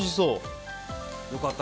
良かった。